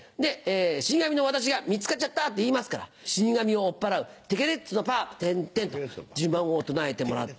死神の私が「見つかっちゃった」って言いますから死神を追っ払う「テケレッツのパー」テンテンと呪文を唱えてもらって。